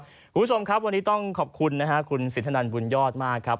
คุณผู้ชมครับวันนี้ต้องขอบคุณนะฮะคุณสินทนันบุญยอดมากครับ